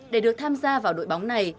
để được tham gia vào đội bóng này